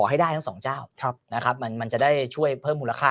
ให้ได้ทั้งสองเจ้าครับนะครับมันมันจะได้ช่วยเพิ่มหูราคา